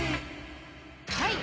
はい。